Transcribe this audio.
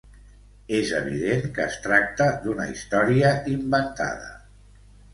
És evident que es tracta d'una història inventada.